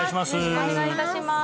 お願いします